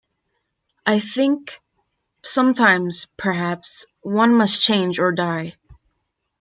I think... sometimes, perhaps, one must change or die.